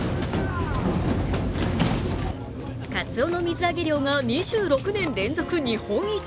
かつおの水揚げ量が２６年連続日本一。